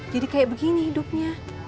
jadi kayak begini hidupnya